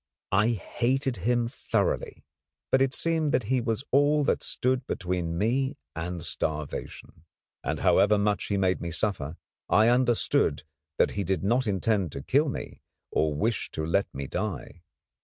I hated him thoroughly; but it seemed that he was all that stood between me and starvation, and, however much he made me suffer, I understood that he did not intend to kill me or wish to let me die.